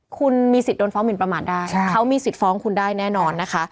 คุณมีสิทธิ์โดนฟ้องหมินประมาทได้เขามีสิทธิ์ฟ้องคุณได้แน่นอนนะคะ